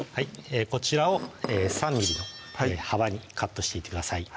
こちらを３ｍｍの幅にカットしていってください